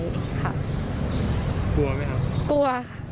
กลัวไหมครับ